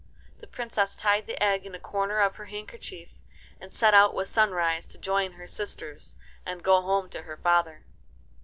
The Princess tied the egg in a corner of her handkerchief, and set out with Sunrise to join her sisters and go home to her father.